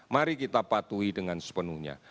mari kita patuhi dengan sepenuhnya